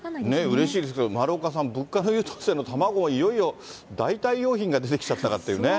うれしいですけど、丸岡さん、物価優等生の卵がいよいよ代替用品が出てきちゃったかなというね。